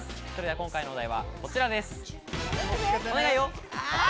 今回のお題はこちらです。